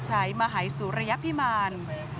มหาสานสุรยภิมาร